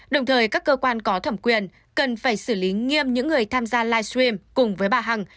đồng thời các cơ quan có thẩm quyền cần phải xử lý nghiêm những người tham gia livestream cùng với bà hằng